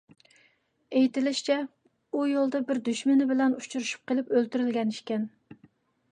ئېيتىلىشىچە، ئۇ يولدا بىر دۈشمىنى بىلەن ئۇچرىشىپ قېلىپ ئۆلتۈرۈلگەن ئىكەن.